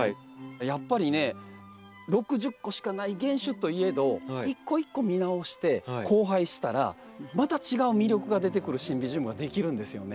やっぱりね６０個しかない原種といえど一個一個見直して交配したらまた違う魅力が出てくるシンビジウムができるんですよね。